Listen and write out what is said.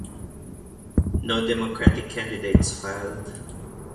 No Democratic candidates filed.